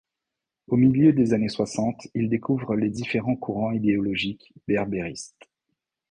Au milieu des années soixante, il découvre les différents courants idéologiques, berbéristes.